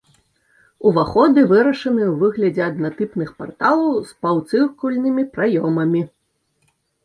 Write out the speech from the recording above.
Уваходы вырашаны ў выглядзе аднатыпных парталаў з паўцыркульнымі праёмамі.